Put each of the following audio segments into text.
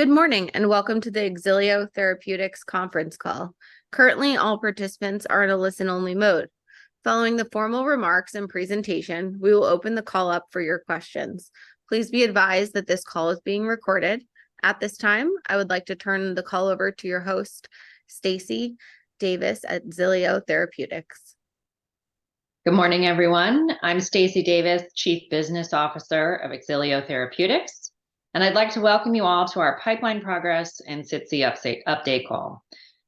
Good morning, and welcome to the Xilio Therapeutics conference call. Currently, all participants are in a listen-only mode. Following the formal remarks and presentation, we will open the call up for your questions. Please be advised that this call is being recorded. At this time, I would like to turn the call over to your host, Stacey Davis at Xilio Therapeutics. Good morning, everyone. I'm Stacey Davis, Chief Business Officer of Xilio Therapeutics, and I'd like to welcome you all to our pipeline progress and SITC update call.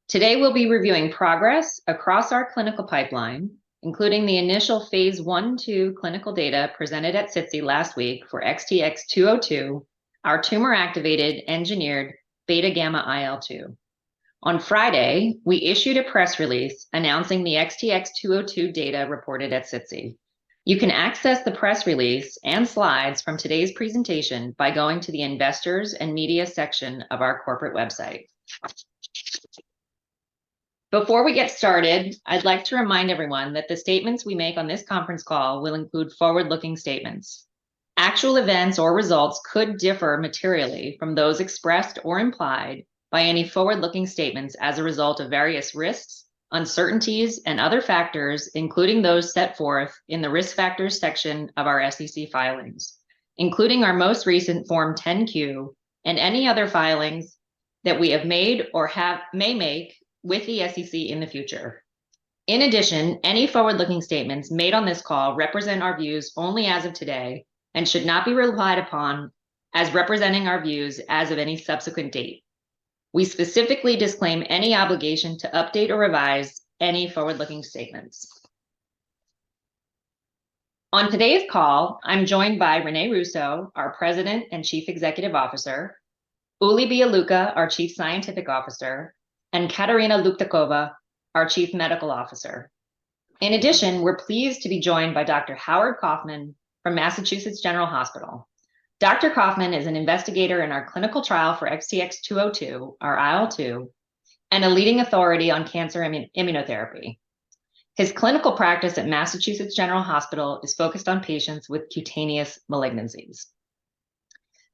Today, we'll be reviewing progress across our clinical pipeline, including the initial phase I-II clinical data presented at SITC last week for XTX202, our tumor-activated engineered beta gamma IL-2. On Friday, we issued a press release announcing the XTX202 data reported at SITC. You can access the press release and slides from today's presentation by going to the Investors and Media section of our corporate website. Before we get started, I'd like to remind everyone that the statements we make on this conference call will include forward-looking statements. Actual events or results could differ materially from those expressed or implied by any forward-looking statements as a result of various risks, uncertainties, and other factors, including those set forth in the Risk Factors section of our SEC filings, including our most recent Form 10-Q, and any other filings that we have made or may make with the SEC in the future. In addition, any forward-looking statements made on this call represent our views only as of today and should not be relied upon as representing our views as of any subsequent date. We specifically disclaim any obligation to update or revise any forward-looking statements. On today's call, I'm joined by René Russo, our President and Chief Executive Officer, Uli Bialucha, our Chief Scientific Officer, and Katarina Luptakova, our Chief Medical Officer. In addition, we're pleased to be joined by Dr. Howard Kaufman from Massachusetts General Hospital. Dr. Kaufman is an investigator in our clinical trial for XTX202, our IL-2, and a leading authority on cancer immunotherapy. His clinical practice at Massachusetts General Hospital is focused on patients with cutaneous malignancies.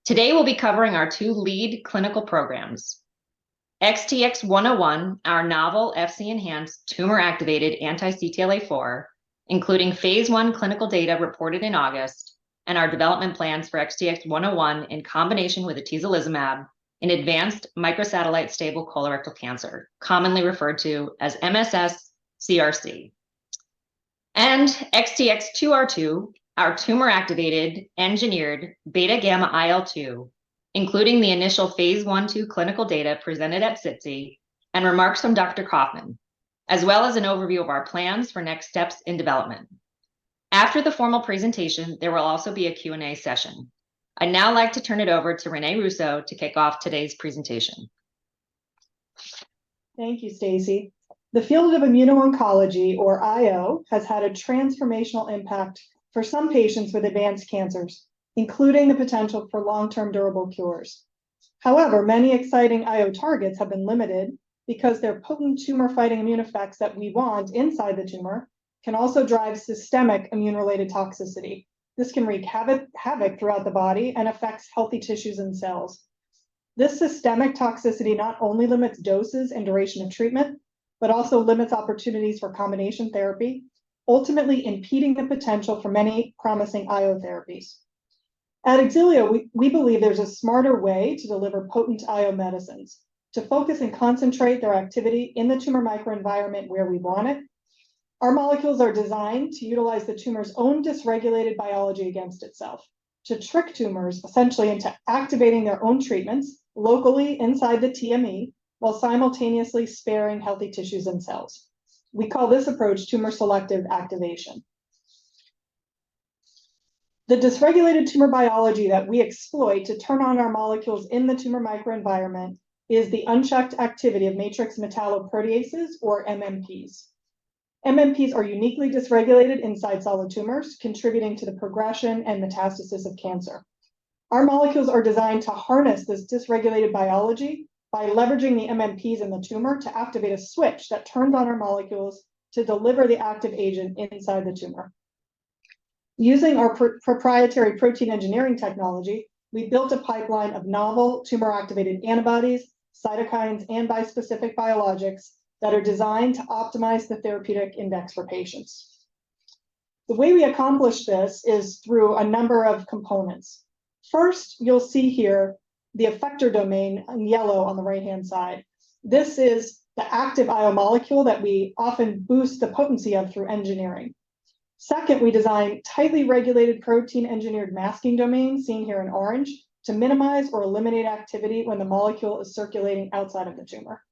Today, we'll be covering our two lead clinical programs, XTX101, our novel Fc-enhanced tumor-activated anti-CTLA-4, including phase I clinical data reported in August, and our development plans for XTX101 in combination with atezolizumab in advanced microsatellite stable colorectal cancer, commonly referred toMSS CRC. xtx202, our tumor-activated engineered beta gamma IL-2, including the initial phase I-II clinical data presented at SITC and remarks from Dr. Kaufman, as well as an overview of our plans for next steps in development. After the formal presentation, there will also be a Q&A session. I'd now like to turn it over to René Russo to kick off today's presentation. Thank you, Stacey. The field of immuno-oncology, or IO, has had a transformational impact for some patients with advanced cancers, including the potential for long-term durable cures. However, many exciting IO targets have been limited because their potent tumor-fighting immune effects that we want inside the tumor can also drive systemic immune-related toxicity. This can wreak havoc throughout the body and affects healthy tissues and cells. This systemic toxicity not only limits doses and duration of treatment, but also limits opportunities for combination therapy, ultimately impeding the potential for many promising IO therapies. At Xilio, we believe there's a smarter way to deliver potent IO medicines, to focus and concentrate their activity in the tumor microenvironment where we want it. Our molecules are designed to utilize the tumor's own dysregulated biology against itself, to trick tumors, essentially, into activating their own treatments locally inside the TME, while simultaneously sparing healthy tissues and cells. We call this approach tumor-selective activation. The dysregulated tumor biology that we exploit to turn on our molecules in the tumor microenvironment is the unchecked activity of matrix metalloproteases, or MMPs. MMPs are uniquely dysregulated inside solid tumors, contributing to the progression and metastasis of cancer. Our molecules are designed to harness this dysregulated biology by leveraging the MMPs in the tumor to activate a switch that turns on our molecules to deliver the active agent inside the tumor. Using our proprietary protein engineering technology, we built a pipeline of novel tumor-activated antibodies, cytokines, and bispecific biologics that are designed to optimize the therapeutic index for patients. The way we accomplish this is through a number of components. First, you'll see here the effector domain in yellow on the right-hand side. This is the active IO molecule that we often boost the potency of through engineering. Second, we design tightly regulated protein engineered masking domain, seen here in orange, to minimize or eliminate activity when the molecule is circulating outside of the tumor.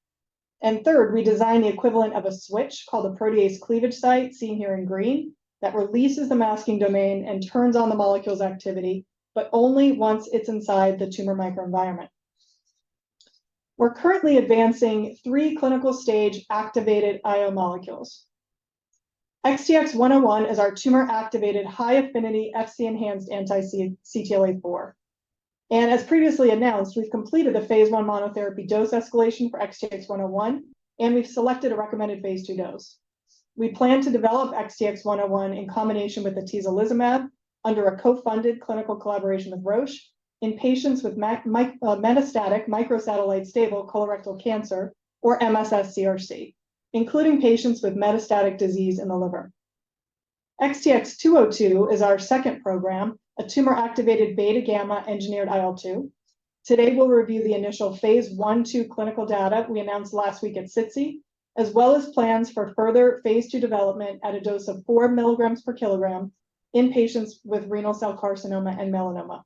And third, we design the equivalent of a switch, called a protease cleavage site, seen here in green, that releases the masking domain and turns on the molecule's activity, but only once it's inside the tumor microenvironment. We're currently advancing three clinical-stage activated IO molecules. XTX101 is our tumor-activated, high-affinity, Fc-enhanced anti-CTLA-4. And as previously announced, we've completed the phase I monotherapy dose escalation for XTX101, and we've selected a recommended phase II dose.... We plan to develop XTX101 in combination with atezolizumab under a co-funded clinical collaboration with Roche in patients with metastatic microsatellite stable colorectal cancer, MSS CRC, including patients with metastatic disease in the liver. XTX202 is our second program, a tumor-activated beta gamma engineered IL-2. Today, we'll review the initial phase I-II clinical data we announced last week at SITC, as well as plans for further phase II development at a dose of 4 milligrams per kilogram in patients with renal cell carcinoma and melanoma.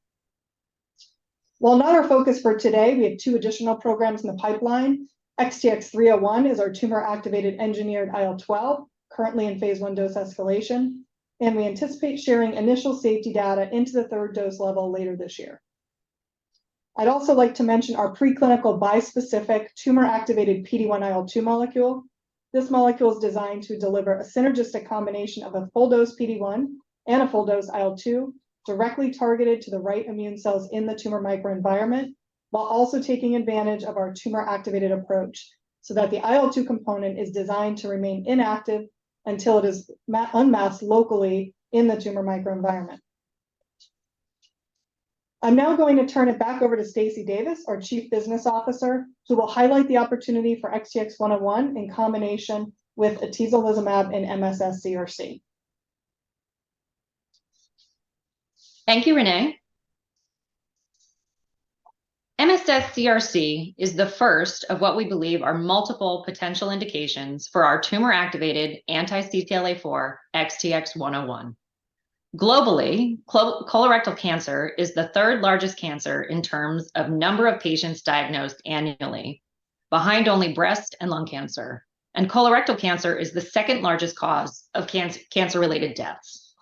While not our focus for today, we have two additional programs in the pipeline. XTX301 is our tumor-activated engineered IL-12, currently in phase I dose escalation, and we anticipate sharing initial safety data into the third dose level later this year. I'd also like to mention our preclinical bispecific tumor-activated PD-1/IL-2 molecule. This molecule is designed to deliver a synergistic combination of a full-dose PD-1 and a full-dose IL-2, directly targeted to the right immune cells in the tumor microenvironment, while also taking advantage of our tumor-activated approach so that the IL-2 component is designed to remain inactive until it is unmasked locally in the tumor microenvironment. I'm now going to turn it back over to Stacey Davis, our Chief Business Officer, who will highlight the opportunity for XTX101 in combination with atezolizumab and MSS CRC. Thank you, MSS CRC is the first of what we believe are multiple potential indications for our tumor-activated anti-CTLA-4 XTX101. Globally, colorectal cancer is the third largest cancer in terms of number of patients diagnosed annually, behind only breast and lung cancer, and colorectal cancer is the second largest cause of cancer-related deaths.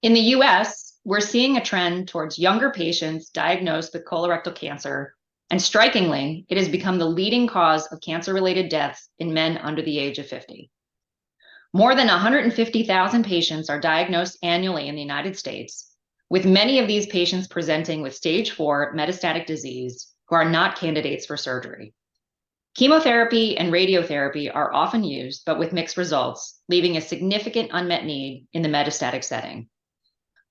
In the US, we're seeing a trend towards younger patients diagnosed with colorectal cancer, and strikingly, it has become the leading cause of cancer-related deaths in men under the age of 50. More than 150,000 patients are diagnosed annually in the United States, with many of these patients presenting with stage 4 metastatic disease, who are not candidates for surgery. Chemotherapy and radiotherapy are often used, but with mixed results, leaving a significant unmet need in the metastatic setting.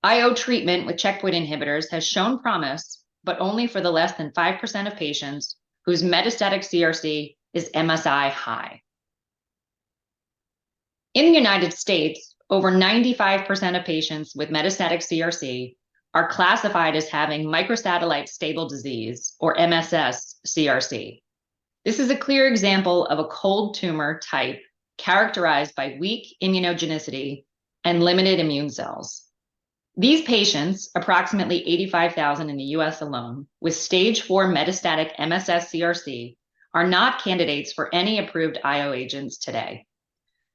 IO treatment with checkpoint inhibitors has shown promise, but only for the less than 5% of patients whose metastatic CRC is MSI-High. In the United States, over 95% of patients with metastatic CRC are classified as having microsatellite stable disease MSS CRC. this is a clear example of a cold tumor type characterized by weak immunogenicity and limited immune cells. These patients, approximately 85,000 in the US alone, with stage 4 MSS CRC, are not candidates for any approved IO agents today.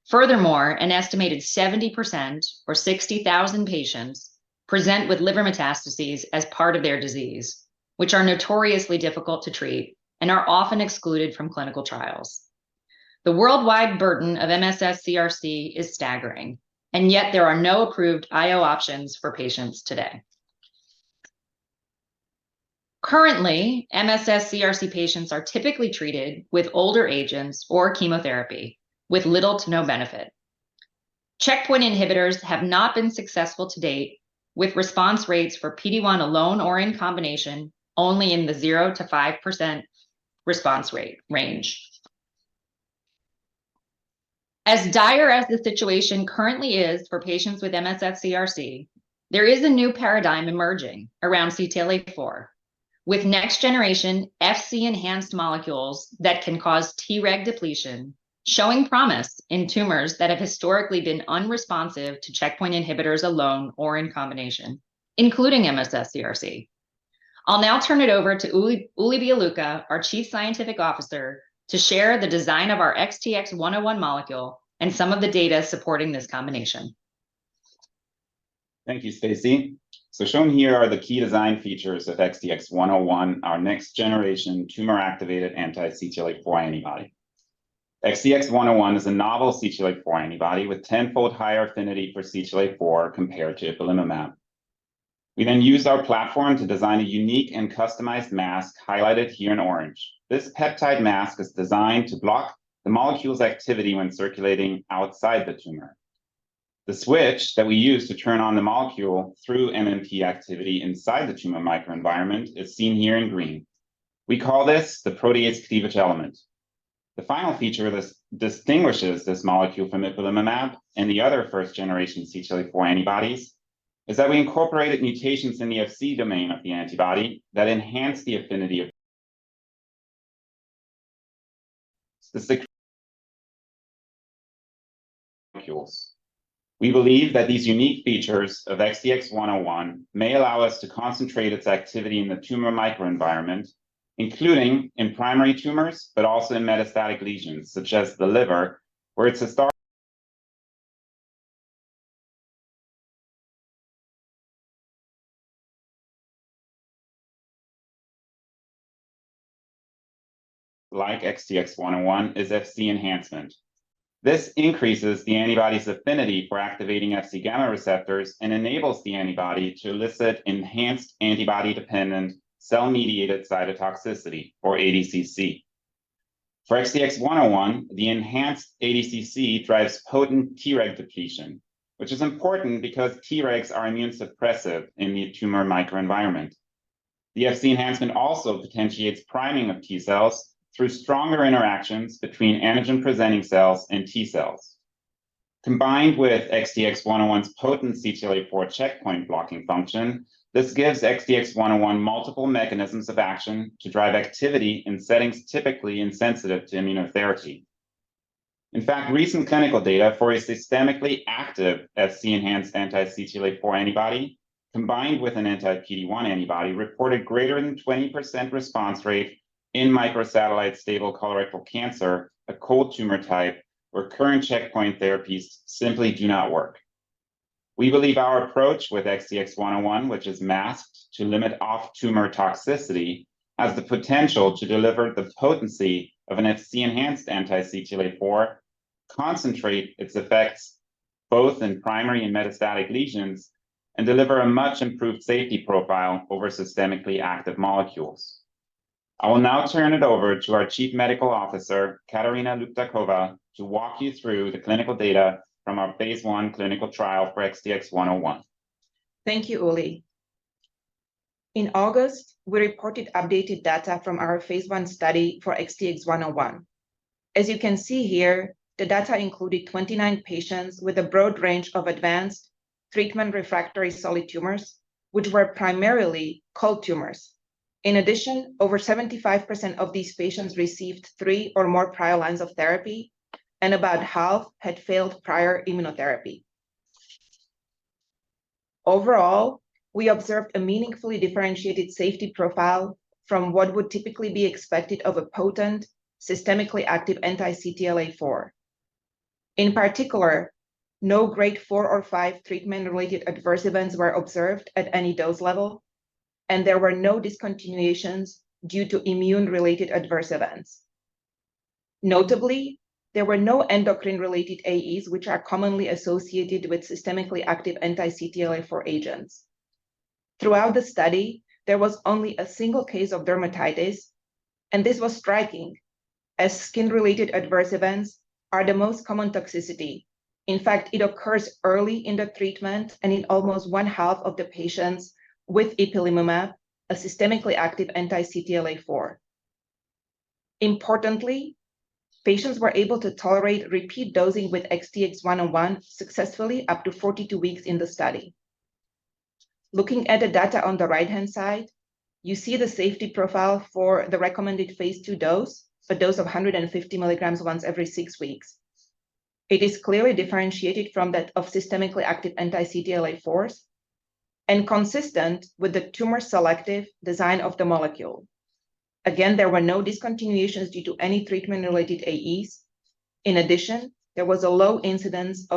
Furthermore, an estimated 70% or 60,000 patients present with liver metastases as part of their disease, which are notoriously difficult to treat and are often excluded from clinical trials. The worldwide burden MSS CRC is staggering, and yet there are no approved IO options for patients today. MSS CRC patients are typically treated with older agents or chemotherapy, with little to no benefit. Checkpoint inhibitors have not been successful to date, with response rates for PD-1 alone or in combination, only in the 0%-5% response rate range. As dire as the situation currently is for patients MSS CRC, there is a new paradigm emerging around CTLA-4, with next generation Fc enhanced molecules that can cause Treg depletion, showing promise in tumors that have historically been unresponsive to checkpoint inhibitors alone or in combination, MSS CRC. i'll now turn it over to Uli, Uli Bialucha, our Chief Scientific Officer, to share the design of our XTX101 molecule and some of the data supporting this combination. Thank you, Stacey. Shown here are the key design features of XTX101, our next-generation tumor-activated anti-CTLA-4 antibody. XTX101 is a novel CTLA-4 antibody with tenfold higher affinity for CTLA-4 compared to ipilimumab. We then use our platform to design a unique and customized mask, highlighted here in orange. This peptide mask is designed to block the molecule's activity when circulating outside the tumor. The switch that we use to turn on the molecule through MMP activity inside the tumor microenvironment is seen here in green. We call this the protease cleavage element. The final feature of this distinguishes this molecule from ipilimumab and the other first-generation CTLA-4 antibodies, is that we incorporated mutations in the Fc domain of the antibody that enhance the affinity of... specific molecules. We believe that these unique features of XTX101 may allow us to concentrate its activity in the tumor microenvironment, including in primary tumors, but also in metastatic lesions, such as the liver. This increases the antibody's affinity for activating Fc gamma receptors and enables the antibody to elicit enhanced antibody-dependent cell-mediated cytotoxicity or ADCC. For XTX101, the enhanced ADCC drives potent Treg depletion, which is important because Tregs are immune suppressive in the tumor microenvironment. The Fc enhancement also potentiates priming of T cells through stronger interactions between antigen-presenting cells and T cells. Combined with XTX101's potent CTLA-4 checkpoint blocking function, this gives XTX101 multiple mechanisms of action to drive activity in settings typically insensitive to immunotherapy. In fact, recent clinical data for a systemically active Fc-enhanced anti-CTLA-4 antibody combined with an anti-PD-1 antibody reported greater than 20% response rate in microsatellite stable colorectal cancer, a cold tumor type where current checkpoint therapies simply do not work. We believe our approach with XTX101, which is masked to limit off-tumor toxicity, has the potential to deliver the potency of an Fc-enhanced anti-CTLA-4, concentrate its effects both in primary and metastatic lesions, and deliver a much improved safety profile over systemically active molecules. I will now turn it over to our Chief Medical Officer, Katarina Luptakova, to walk you through the clinical data from our phase I clinical trial for XTX101. Thank you, Uli. In August, we reported updated data from our phase I study for XTX101. As you can see here, the data included 29 patients with a broad range of advanced treatment-refractory solid tumors, which were primarily cold tumors. In addition, over 75% of these patients received three or more prior lines of therapy, and about half had failed prior immunotherapy. Overall, we observed a meaningfully differentiated safety profile from what would typically be expected of a potent, systemically active anti-CTLA-4. In particular, no Grade 4 or 5 treatment-related adverse events were observed at any dose level, and there were no discontinuations due to immune-related adverse events. Notably, there were no endocrine-related AEs, which are commonly associated with systemically active anti-CTLA-4 agents. Throughout the study, there was only a single case of dermatitis, and this was striking, as skin-related adverse events are the most common toxicity. In fact, it occurs early in the treatment and in almost one-half of the patients with ipilimumab, a systemically active anti-CTLA-4. Importantly, patients were able to tolerate repeat dosing with XTX101 successfully up to 42 weeks in the study. Looking at the data on the right-hand side, you see the safety profile for the recommended phase II dose, a dose of 150 mg once every six weeks. It is clearly differentiated from that of systemically active anti-CTLA-4s and consistent with the tumor-selective design of the molecule. Again, there were no discontinuations due to any treatment-related AEs. In addition, there was a low incidence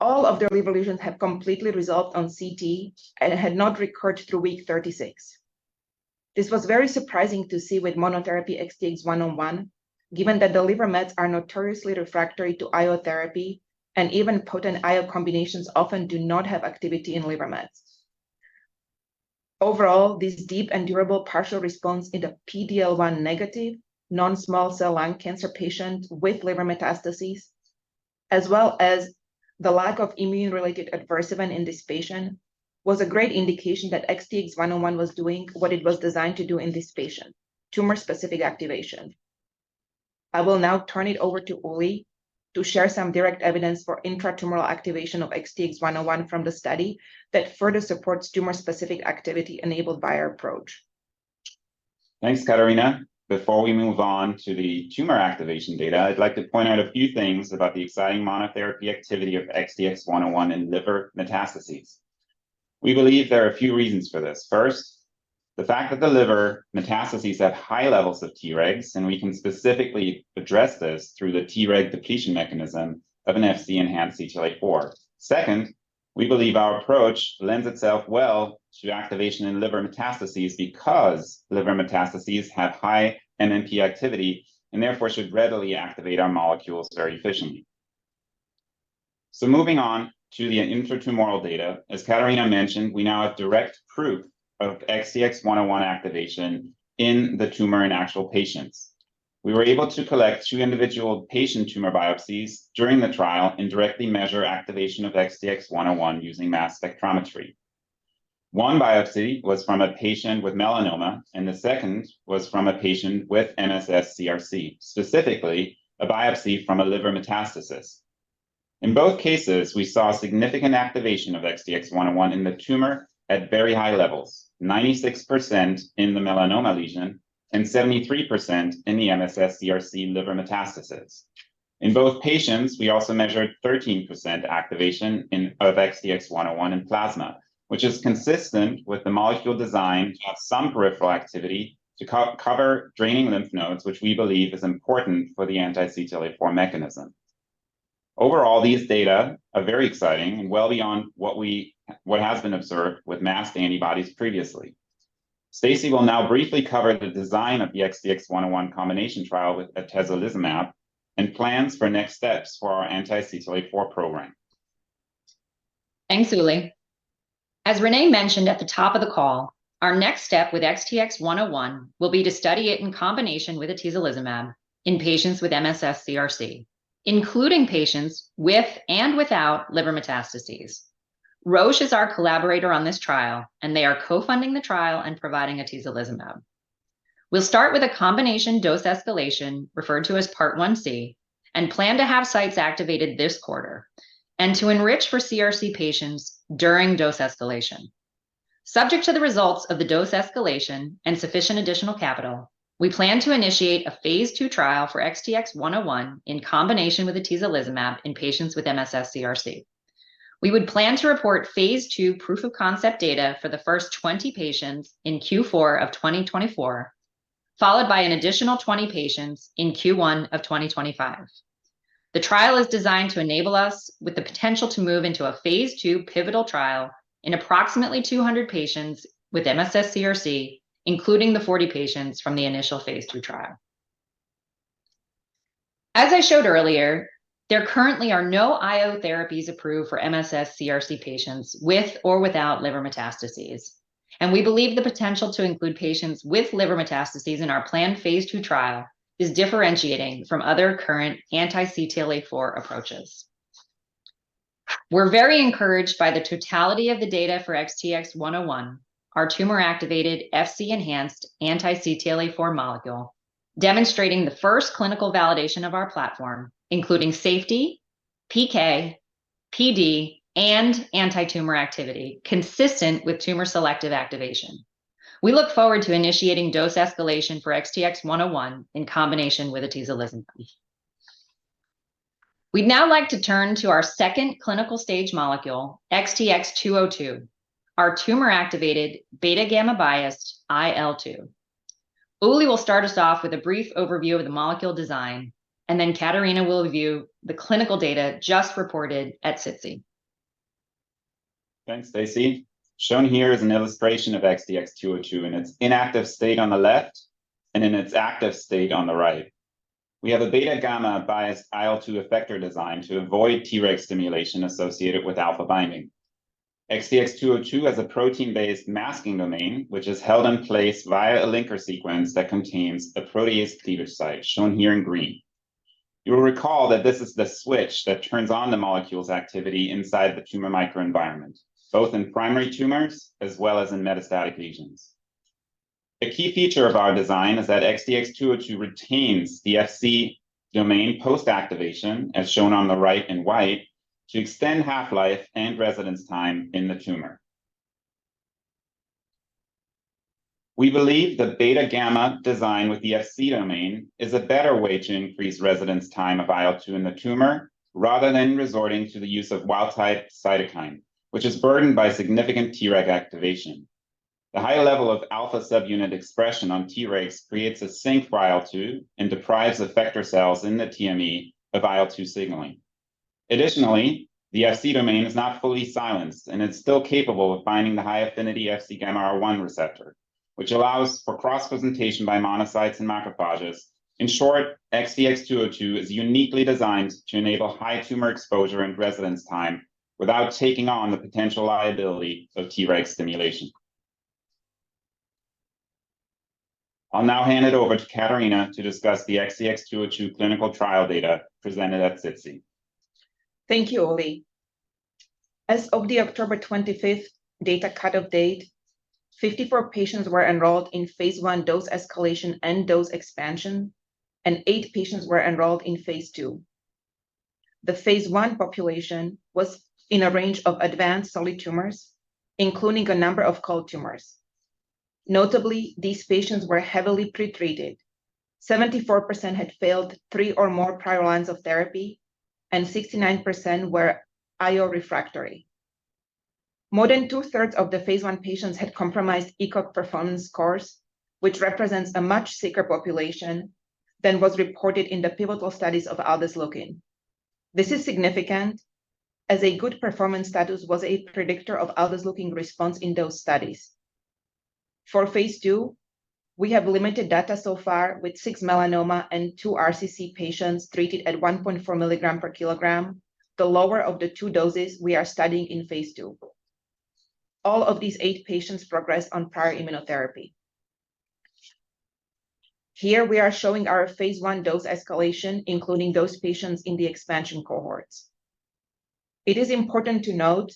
of. All of the liver lesions have completely resolved on CT and had not recurred through week 36. This was very surprising to see with monotherapy XTX101, given that the liver mets are notoriously refractory to IO therapy, and even potent IO combinations often do not have activity in liver mets. Overall, this deep and durable partial response in the PD-L1 negative non-small cell lung cancer patient with liver metastases, as well as the lack of immune-related adverse event in this patient, was a great indication that XTX101 was doing what it was designed to do in this patient: tumor-specific activation. I will now turn it over to Uli to share some direct evidence for intratumoral activation of XTX101 from the study that further supports tumor-specific activity enabled by our approach. Thanks, Katarina. Before we move on to the tumor activation data, I'd like to point out a few things about the exciting monotherapy activity of XTX101 in liver metastases. We believe there are a few reasons for this. First, the fact that the liver metastases have high levels of Tregs, and we can specifically address this through the Treg depletion mechanism of an Fc enhanced CTLA-4. Second, we believe our approach lends itself well to activation in liver metastases because liver metastases have high MMP activity, and therefore should readily activate our molecules very efficiently. Moving on to the intratumoral data, as Katarina mentioned, we now have direct proof of XTX101 activation in the tumor in actual patients. We were able to collect two individual patient tumor biopsies during the trial and directly measure activation of XTX101 using mass spectrometry. One biopsy was from a patient with melanoma, and the second was from a patient MSS CRC, specifically a biopsy from a liver metastasis. In both cases, we saw significant activation of XTX101 in the tumor at very high levels, 96% in the melanoma lesion and 73% in MSS CRC liver metastases. In both patients, we also measured 13% activation of XTX101 in plasma, which is consistent with the molecule design to have some peripheral activity to co-cover draining lymph nodes, which we believe is important for the anti-CTLA-4 mechanism. Overall, these data are very exciting and well beyond what has been observed with masked antibodies previously. Stacey will now briefly cover the design of the XTX101 combination trial with atezolizumab and plans for next steps for our anti-CTLA-4 program. Thanks, Uli. As René mentioned at the top of the call, our next step with XTX101 will be to study it in combination with atezolizumab in patients with MSS CRC, including patients with and without liver metastases. Roche is our collaborator on this trial, and they are co-funding the trial and providing atezolizumab. We'll start with a combination dose escalation, referred to as Part 1C, and plan to have sites activated this quarter, and to enrich for CRC patients during dose escalation. Subject to the results of the dose escalation and sufficient additional capital, we plan to initiate a phase II trial for XTX101 in combination with atezolizumab in patients with MSS CRC. We would plan to report phase II proof of concept data for the first 20 patients in Q4 of 2024, followed by an additional 20 patients in Q1 of 2025. The trial is designed to enable us with the potential to move into a phase II pivotal trial in approximately 200 patients with MSS CRC, including the 40 patients from the initial phase II trial. As I showed earlier, there currently are no IO therapies approved for MSS CRC patients with or without liver metastases, and we believe the potential to include patients with liver metastases in our planned phase II trial is differentiating from other current anti-CTLA-4 approaches. We're very encouraged by the totality of the data for XTX101, our tumor-activated Fc enhanced anti-CTLA-4 molecule, demonstrating the first clinical validation of our platform, including safety, PK, PD, and anti-tumor activity, consistent with tumor-selective activation. We look forward to initiating dose escalation for XTX101 in combination with atezolizumab. We'd now like to turn to our second clinical stage molecule, XTX202, our tumor-activated beta/gamma-biased IL-2. Uli will start us off with a brief overview of the molecule design, and then Katarina will review the clinical data just reported at SITC. Thanks, Stacey. Shown here is an illustration of XTX202 in its inactive state on the left and in its active state on the right. We have a beta/gamma-biased IL-2 effector design to avoid Treg stimulation associated with alpha binding. XTX202 has a protein-based masking domain, which is held in place via a linker sequence that contains a protease cleavage site, shown here in green.... You will recall that this is the switch that turns on the molecule's activity inside the tumor microenvironment, both in primary tumors as well as in metastatic lesions. A key feature of our design is that XTX202 retains the Fc domain post-activation, as shown on the right in white, to extend half-life and residence time in the tumor. We believe the beta gamma design with the Fc domain is a better way to increase residence time of IL-2 in the tumor, rather than resorting to the use of wild type cytokine, which is burdened by significant Treg activation. The high level of alpha subunit expression on Tregs creates a sink for IL-2 and deprives effector cells in the TME of IL-2 signaling. Additionally, the Fc domain is not fully silenced, and it's still capable of binding the high-affinity Fc gamma R1 receptor, which allows for cross-presentation by monocytes and macrophages. In short, XTX202 is uniquely designed to enable high tumor exposure and residence time without taking on the potential liability of Treg stimulation. I'll now hand it over to Katarina to discuss the XTX202 clinical trial data presented at SITC. Thank you, Uli. As of the October 25th data cut-off date, 54 patients were enrolled in phase I dose escalation and dose expansion, and eight patients were enrolled in phase II. The phase I population was in a range of advanced solid tumors, including a number of cold tumors. Notably, these patients were heavily pretreated. 74% had failed three or more prior lines of therapy, and 69% were IO refractory. More than two-thirds of the phase I patients had compromised ECOG performance scores, which represents a much sicker population than was reported in the pivotal studies of aldesleukin. This is significant, as a good performance status was a predictor of aldesleukin response in those studies. For phase II, we have limited data so far with six melanoma and two RCC patients treated at 1.4 mg/kg, the lower of the two doses we are studying in phase II. All of these eight patients progressed on prior immunotherapy. Here, we are showing our phase I dose escalation, including those patients in the expansion cohorts. It is important to note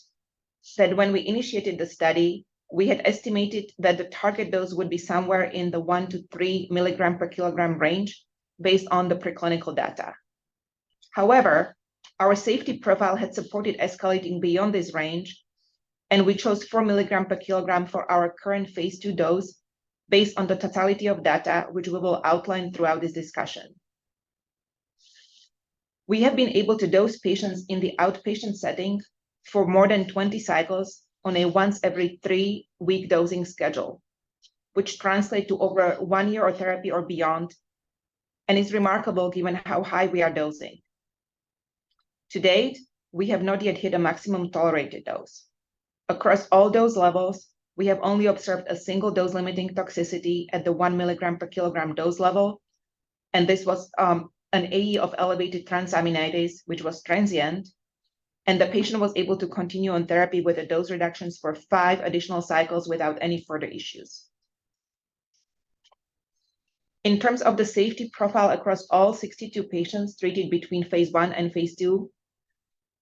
that when we initiated the study, we had estimated that the target dose would be somewhere in the 1-3 mg/kg range based on the preclinical data. However, our safety profile had supported escalating beyond this range, and we chose 4 mg/kg for our current phase II dose based on the totality of data, which we will outline throughout this discussion. We have been able to dose patients in the outpatient setting for more than 20 cycles on a once every three week dosing schedule, which translate to over one year of therapy or beyond, and is remarkable given how high we are dosing. To date, we have not yet hit a maximum tolerated dose. Across all dose levels, we have only observed a single dose-limiting toxicity at the 1 mg per kg dose level, and this was, an AE of elevated transaminase, which was transient, and the patient was able to continue on therapy with the dose reductions for five additional cycles without any further issues. In terms of the safety profile across all 62 patients treated between phase I and phase II,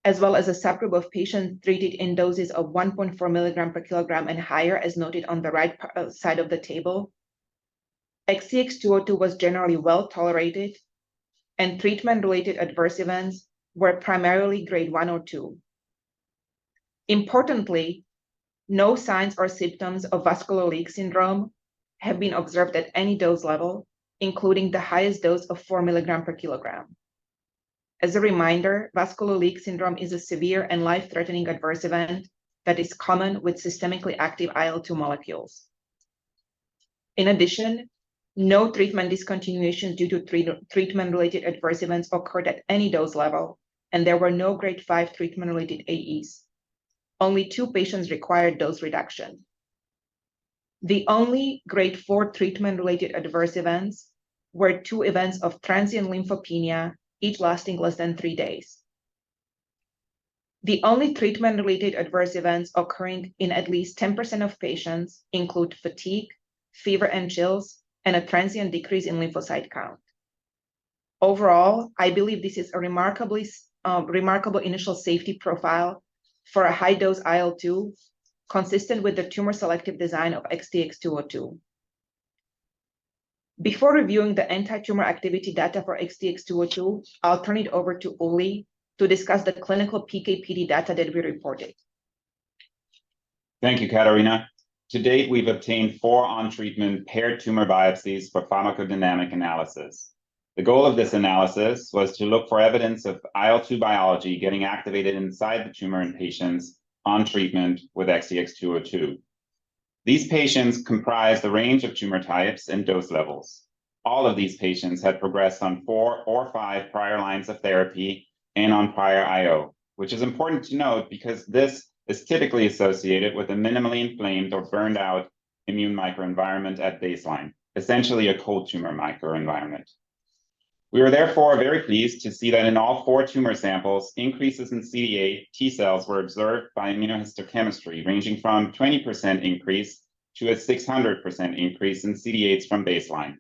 as well as a subgroup of patients treated in doses of 1.4 mg/kg and higher, as noted on the right side of the table, XTX202 was generally well-tolerated, and treatment-related adverse events were primarily Grade one or two. Importantly, no signs or symptoms of vascular leak syndrome have been observed at any dose level, including the highest dose of 4 mg/kg. As a reminder, vascular leak syndrome is a severe and life-threatening adverse event that is common with systemically active IL-2 molecules. In addition, no treatment discontinuation due to treatment-related adverse events occurred at any dose level, and there were no Grade five treatment-related AEs. Only two patients required dose reduction. The only Grade four treatment-related adverse events were two events of transient lymphopenia, each lasting less than three days. The only treatment-related adverse events occurring in at least 10% of patients include fatigue, fever and chills, and a transient decrease in lymphocyte count. Overall, I believe this is a remarkably remarkable initial safety profile for a high-dose IL-2, consistent with the tumor selective design of XTX202. Before reviewing the anti-tumor activity data for XTX202, I'll turn it over to Uli to discuss the clinical PK/PD data that we reported. Thank you, Katarina. To date, we've obtained four on-treatment paired tumor biopsies for pharmacodynamic analysis. The goal of this analysis was to look for evidence of IL-2 biology getting activated inside the tumor in patients on treatment with XTX202. These patients comprise the range of tumor types and dose levels. All of these patients had progressed on four or five prior lines of therapy and on prior IO, which is important to note because this is typically associated with a minimally inflamed or burned-out immune microenvironment at baseline, essentially a cold tumor microenvironment. We are therefore very pleased to see that in all four tumor samples, increases in CD8 T-cells were observed by immunohistochemistry, ranging from 20% increase to a 600% increase in CD8s from baseline.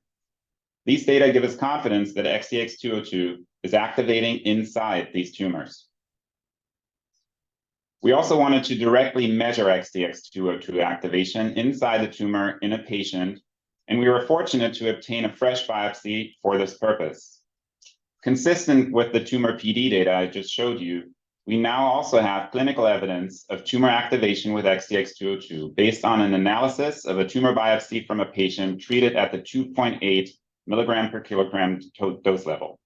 These data give us confidence that XTX202 is activating inside these tumors. We also wanted to directly measure XTX202 activation inside the tumor in a patient, and we were fortunate to obtain a fresh biopsy for this purpose. Consistent with the tumor PD data I just showed you, we now also have clinical evidence of tumor activation with XTX202, based on an analysis of a tumor biopsy from a patient treated at the 2.8 mg/kg dose level.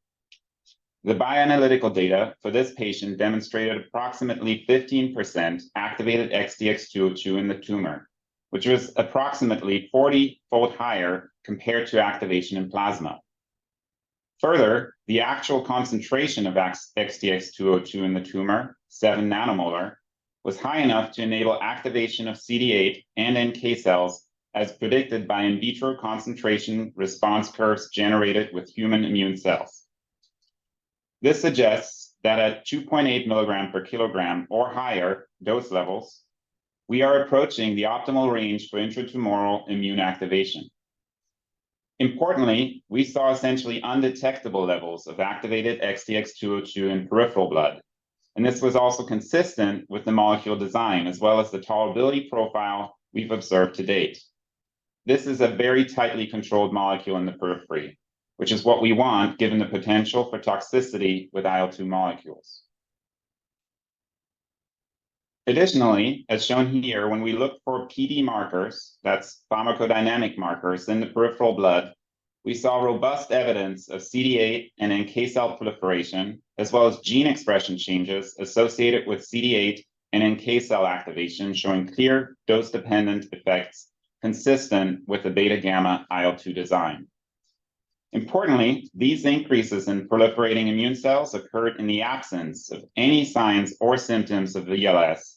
The bioanalytical data for this patient demonstrated approximately 15% activated XTX202 in the tumor, which was approximately 40-fold higher compared to activation in plasma. Further, the actual concentration of XTX202 in the tumor, 7 nM, was high enough to enable activation of CD8 and NK cells, as predicted by in vitro concentration response curves generated with human immune cells. This suggests that at 2.8 mg/kg or higher dose levels, we are approaching the optimal range for intratumoral immune activation. Importantly, we saw essentially undetectable levels of activated XTX202 in peripheral blood, and this was also consistent with the molecule design, as well as the tolerability profile we've observed to date. This is a very tightly controlled molecule in the periphery, which is what we want, given the potential for toxicity with IL-2 molecules. Additionally, as shown here, when we look for PD markers, that's pharmacodynamic markers, in the peripheral blood, we saw robust evidence of CD8 and NK cell proliferation, as well as gene expression changes associated with CD8 and NK cell activation, showing clear dose-dependent effects consistent with the beta-gamma IL-2 design. Importantly, these increases in proliferating immune cells occurred in the absence of any signs or symptoms of VLS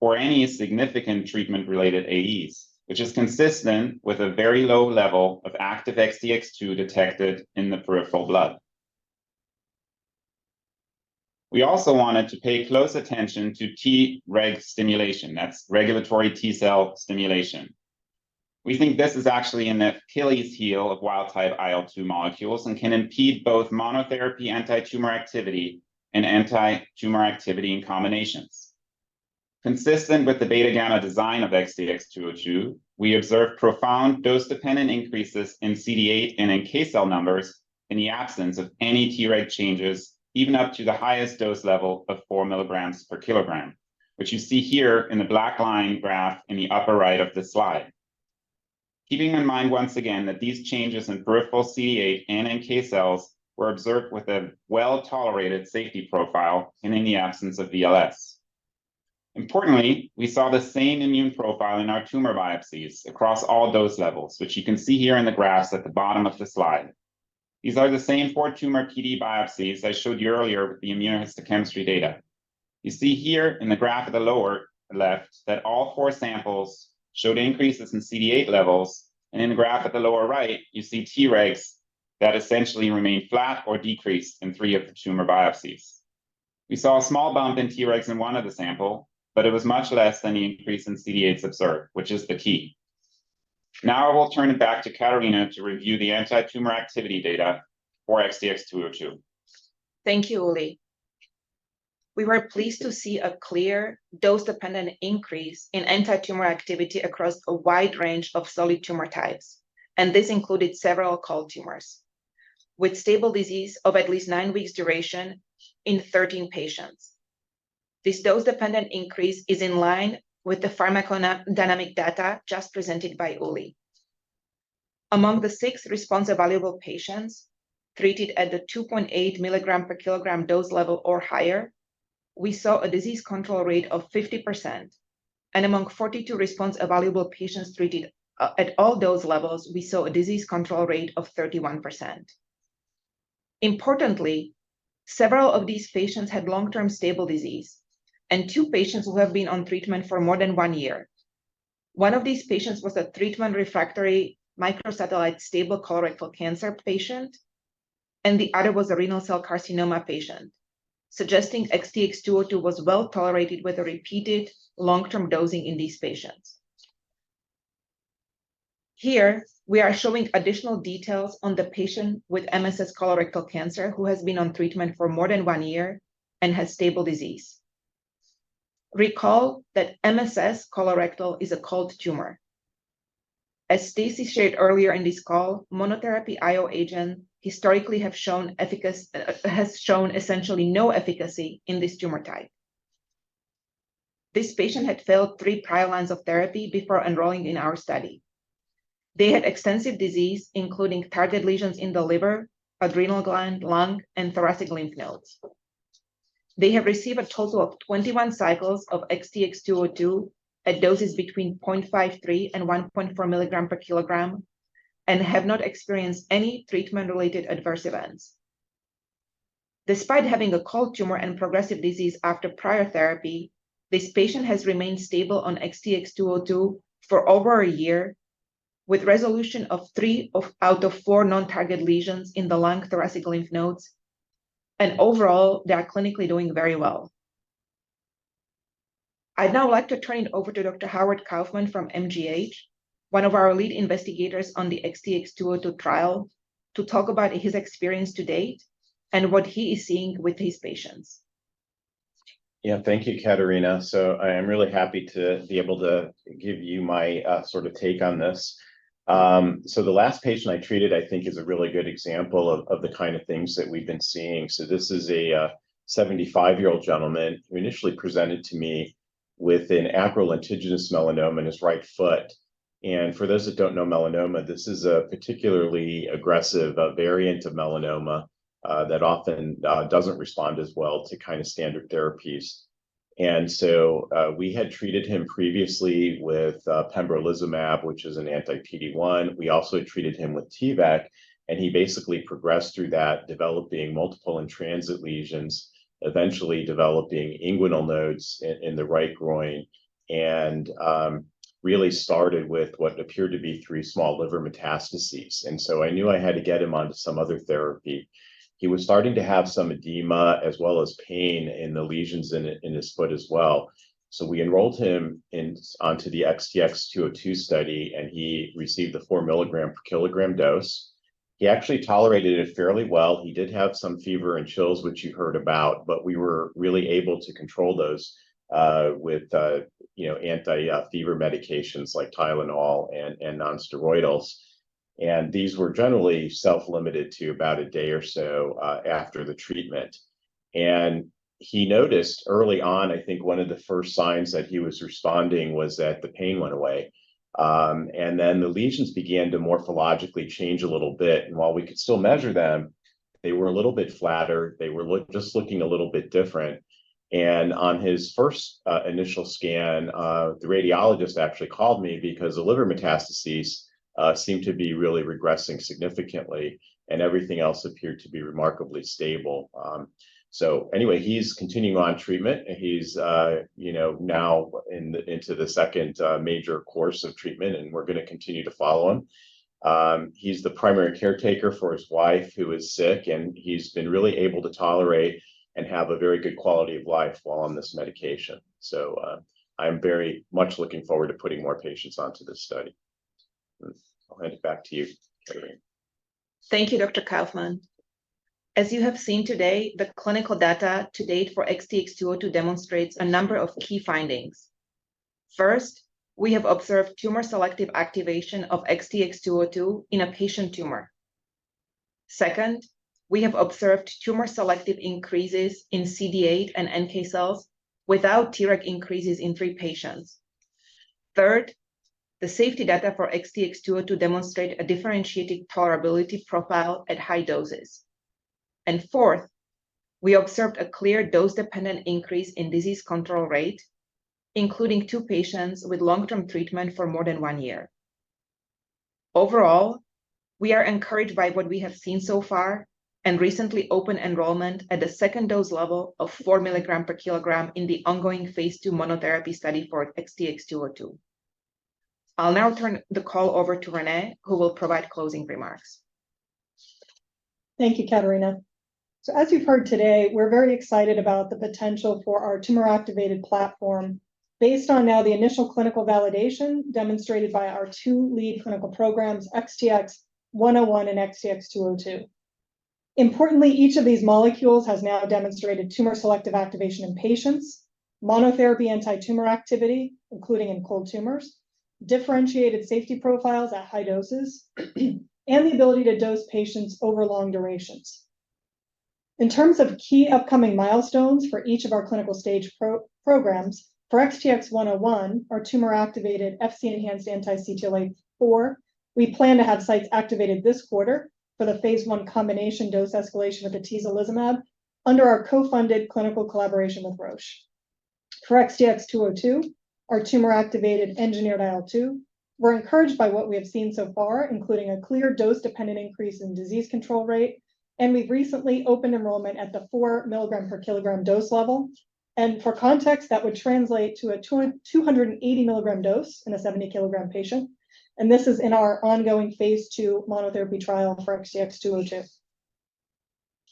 or any significant treatment-related AEs, which is consistent with a very low level of active XTX202 detected in the peripheral blood. We also wanted to pay close attention to Treg stimulation, that's regulatory T cell stimulation. We think this is actually an Achilles heel of wild-type IL-2 molecules and can impede both monotherapy anti-tumor activity and anti-tumor activity in combinations. Consistent with the beta-gamma design of XTX202, we observed profound dose-dependent increases in CD8 and NK cell numbers in the absence of any Treg changes, even up to the highest dose level of 4 mg/kg, which you see here in the black line graph in the upper right of the slide. Keeping in mind, once again, that these changes in peripheral CD8 and NK cells were observed with a well-tolerated safety profile and in the absence of VLS. Importantly, we saw the same immune profile in our tumor biopsies across all dose levels, which you can see here in the graphs at the bottom of the slide. These are the same four tumor PD biopsies I showed you earlier with the immunohistochemistry data. You see here in the graph at the lower left, that all four samples showed increases in CD8 levels, and in the graph at the lower right, you see Tregs that essentially remain flat or decrease in three of the tumor biopsies. We saw a small bump in Tregs in one of the sample, but it was much less than the increase in CD8s observed, which is the key. Now I will turn it back to Katarina to review the anti-tumor activity data for XTX202. Thank you, Uli. We were pleased to see a clear dose-dependent increase in anti-tumor activity across a wide range of solid tumor types, and this included several cold tumors, with stable disease of at least nine weeks duration in 13 patients. This dose-dependent increase is in line with the pharmacodynamic data just presented by Uli. Among the six response-evaluable patients treated at the 2.8 mg/kg dose level or higher, we saw a disease control rate of 50%, and among 42 response-evaluable patients treated at all dose levels, we saw a disease control rate of 31%. Importantly, several of these patients had long-term stable disease, and two patients who have been on treatment for more than one year. One of these patients was a treatment-refractory microsatellite stable colorectal cancer patient, and the other was a renal cell carcinoma patient, suggesting XTX202 was well-tolerated with a repeated long-term dosing in these patients. Here, we are showing additional details on the patient with MSS colorectal cancer, who has been on treatment for more than one year and has stable disease. Recall that MSS colorectal is a cold tumor. As Stacey shared earlier in this call, monotherapy IO agent historically has shown essentially no efficacy in this tumor type. This patient had failed three prior lines of therapy before enrolling in our study. They had extensive disease, including target lesions in the liver, adrenal gland, lung, and thoracic lymph nodes. They have received a total of 21 cycles of XTX202 at doses between 0.53 and 1.4 mg/kg and have not experienced any treatment-related adverse events. Despite having a cold tumor and progressive disease after prior therapy, this patient has remained stable on XTX202 for over a year, with resolution of three out of four non-target lesions in the lung, thoracic lymph nodes and overall, they are clinically doing very well. I'd now like to turn it over to Dr. Howard Kaufman from MGH, one of our lead investigators on the XTX202 trial, to talk about his experience to date and what he is seeing with his patients. Yeah, thank you, Katarina. I am really happy to be able to give you my sort of take on this. The last patient I treated, I think, is a really good example of the kind of things that we've been seeing. This is a 75-year-old gentleman who initially presented to me with an acral lentiginous melanoma in his right foot. For those that don't know melanoma, this is a particularly aggressive variant of melanoma that often doesn't respond as well to kind of standard therapies. We had treated him previously with pembrolizumab, which is an anti-PD-1. We also treated him with T-VEC, and he basically progressed through that, developing multiple in-transit lesions, eventually developing inguinal nodes in the right groin, and really started with what appeared to be 3 small liver metastases. So I knew I had to get him onto some other therapy. He was starting to have some edema, as well as pain in the lesions in his foot as well. We enrolled him onto the XTX202 study, and he received the 4 mg/kg dose. He actually tolerated it fairly well. He did have some fever and chills, which you heard about, but we were really able to control those with you know, anti-fever medications like Tylenol and nonsteroidals. These were generally self-limited to about a day or so after the treatment. He noticed early on, I think, one of the first signs that he was responding was that the pain went away. And then the lesions began to morphologically change a little bit, and while we could still measure them, they were a little bit flatter. They were just looking a little bit different. And on his first initial scan, the radiologist actually called me because the liver metastases seemed to be really regressing significantly, and everything else appeared to be remarkably stable. So anyway, he's continuing on treatment, and he's, you know, now into the second major course of treatment, and we're gonna continue to follow him. He's the primary caretaker for his wife, who is sick, and he's been really able to tolerate and have a very good quality of life while on this medication. So, I'm very much looking forward to putting more patients onto this study. I'll hand it back to you, Katarina. Thank you, Dr. Kaufman. As you have seen today, the clinical data to date for XTX202 demonstrates a number of key findings. First, we have observed tumor-selective activation of XTX202 in a patient tumor. Second, we have observed tumor-selective increases in CD8 and NK cells without Treg increases in three patients. Third, the safety data for XTX202 demonstrate a differentiating tolerability profile at high doses. And fourth, we observed a clear dose-dependent increase in disease control rate, including two patients with long-term treatment for more than one year. Overall, we are encouraged by what we have seen so far and recently opened enrollment at the second dose level of 4 mg/kg in the ongoing phase II monotherapy study for XTX202. I'll now turn the call over to René, who will provide closing remarks. Thank you, Katarina. So as you've heard today, we're very excited about the potential for our tumor-activated platform based on now the initial clinical validation demonstrated by our two lead clinical programs, XTX101 and XTX202. Importantly, each of these molecules has now demonstrated tumor-selective activation in patients, monotherapy anti-tumor activity, including in cold tumors, differentiated safety profiles at high doses, and the ability to dose patients over long durations. In terms of key upcoming milestones for each of our clinical stage programs, for XTX101, our tumor-activated Fc-enhanced anti-CTLA-4, we plan to have sites activated this quarter for the phase I combination dose escalation of atezolizumab under our co-funded clinical collaboration with Roche. For XTX202, our tumor-activated engineered IL-2, we're encouraged by what we have seen so far, including a clear dose-dependent increase in disease control rate, and we've recently opened enrollment at the 4 mg/kg dose level. For context, that would translate to a 280 mg dose in a 70-kg patient, and this is in our ongoing phase II monotherapy trial for XTX202.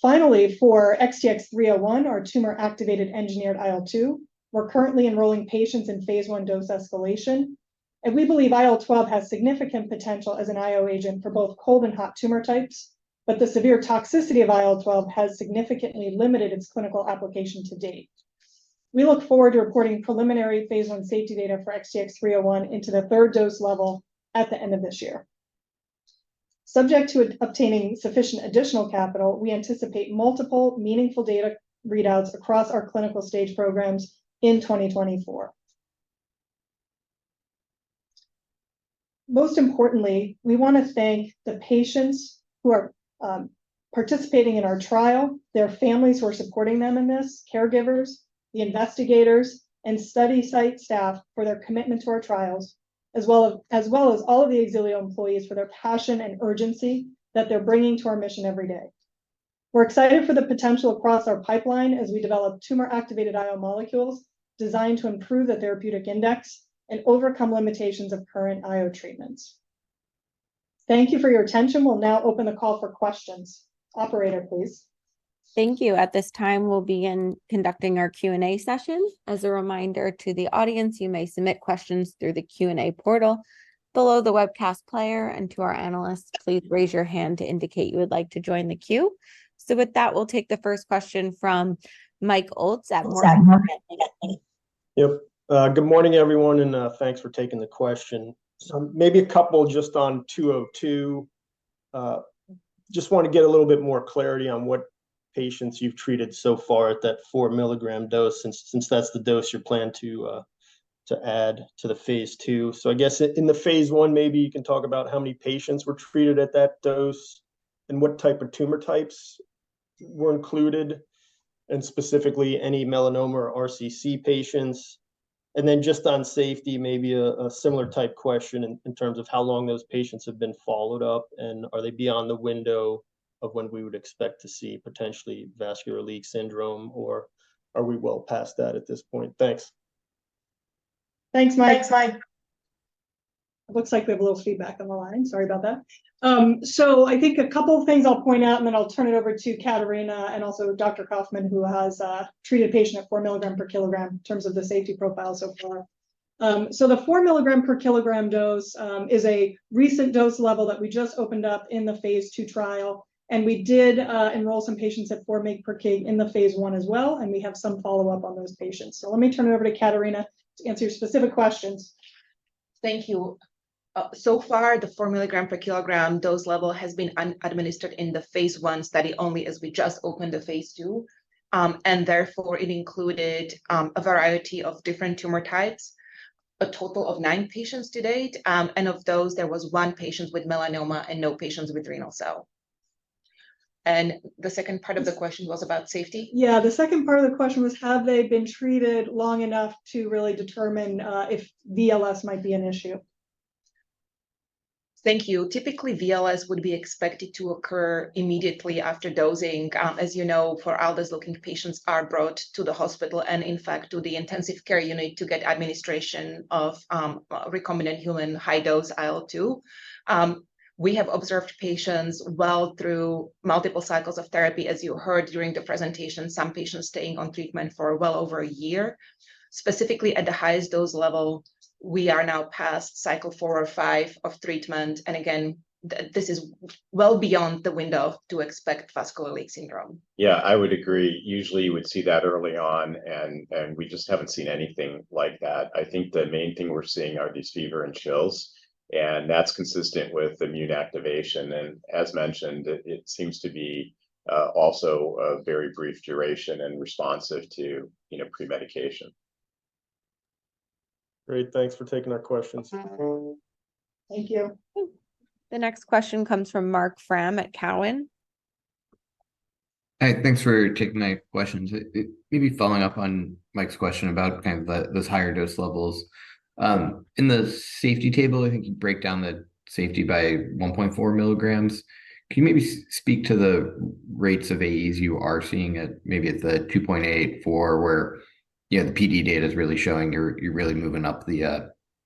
Finally, for XTX301, our tumor-activated engineered IL-2, we're currently enrolling patients in phase I dose escalation, and we believe IL-12 has significant potential as an IO agent for both cold and hot tumor types, but the severe toxicity of IL-12 has significantly limited its clinical application to date. We look forward to reporting preliminary phase I safety data for XTX301 into the third dose level at the end of this year. Subject to obtaining sufficient additional capital, we anticipate multiple meaningful data readouts across our clinical stage programs in 2024. Most importantly, we wanna thank the patients who are participating in our trial, their families who are supporting them in this, caregivers, the investigators, and study site staff for their commitment to our trials, as well as all of the Xilio employees for their passion and urgency that they're bringing to our mission every day. We're excited for the potential across our pipeline as we develop tumor-activated IO molecules designed to improve the therapeutic index and overcome limitations of current IO treatments. Thank you for your attention. We'll now open the call for questions. Operator, please. Thank you. At this time, we'll begin conducting our Q&A session. As a reminder to the audience, you may submit questions through the Q&A portal below the webcast player. To our analysts, please raise your hand to indicate you would like to join the queue. With that, we'll take the first question from Mike Ulz at Morgan Stanley. Yep. Good morning, everyone, and thanks for taking the question. So maybe a couple just on 202. Just want to get a little bit more clarity on what patients you've treated so far at that 4 mg dose, since that's the dose you plan to add to the phase II. So I guess in the phase I, maybe you can talk about how many patients were treated at that dose, and what type of tumor types were included, and specifically, any melanoma or RCC patients? And then just on safety, maybe a similar type question in terms of how long those patients have been followed up, and are they beyond the window of when we would expect to see potentially vascular leak syndrome, or are we well past that at this point? Thanks. Thanks, Mike. It looks like we have a little feedback on the line. Sorry about that. So I think a couple of things I'll point out, and then I'll turn it over to Katarina and also Dr. Kaufman, who has treated a patient at 4 mg/kg in terms of the safety profile so far. So the 4 mg/kg dose is a recent dose level that we just opened up in the phase II trial, and we did enroll some patients at 4 mg/kg in the phase I as well, and we have some follow-up on those patients. So let me turn it over to Katarina to answer your specific questions. Thank you. So far, the 4 mg/kg dose level has been administered in the phase I study only, as we just opened the phase II. And therefore, it included a variety of different tumor types. A total of nine patients to date, and of those, there was 1 patient with melanoma and no patients with renal cell. The second part of the question was about safety? Yeah, the second part of the question was, have they been treated long enough to really determine if VLS might be an issue? Thank you. Typically, VLS would be expected to occur immediately after dosing. As you know, for all those looking, patients are brought to the hospital, and in fact, to the intensive care unit to get administration of recombinant human high-dose IL-2. We have observed patients well through multiple cycles of therapy, as you heard during the presentation, some patients staying on treatment for well over a year. Specifically at the highest dose level, we are now past cycle four or five of treatment, and again, this is well beyond the window to expect vascular leak syndrome. Yeah, I would agree. Usually, you would see that early on, and we just haven't seen anything like that. I think the main thing we're seeing are these fever and chills, and that's consistent with immune activation. And as mentioned, it seems to be also a very brief duration and responsive to, you know, premedication. Great, thanks for taking our questions. Thank you. The next question comes from Marc Frahm at Cowen. Hey, thanks for taking my questions. Maybe following up on Mike's question about kind of the, those higher dose levels. In the safety table, I think you break down the safety by 1.4 mg. Can you maybe speak to the rates of AEs you are seeing at maybe at the 2.84, where, you know, the PD data is really showing you're, you're really moving up the,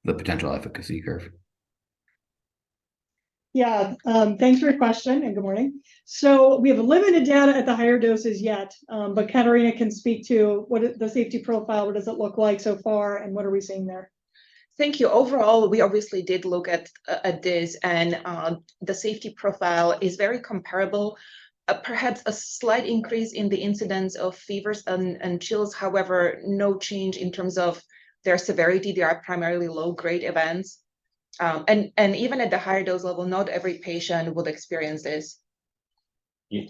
the potential efficacy curve? Yeah. Thanks for your question, and good morning. So we have limited data at the higher doses yet, but Katarina can speak to what... the safety profile, what does it look like so far, and what are we seeing there? Thank you. Overall, we obviously did look at this, and the safety profile is very comparable. Perhaps a slight increase in the incidence of fevers and chills, however, no change in terms of their severity. They are primarily low-grade events. And even at the higher dose level, not every patient would experience this.